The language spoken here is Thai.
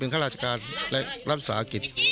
เป็นข้าราชการและรัฐศาสตร์อากิษฐ์